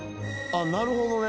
あっなるほどね。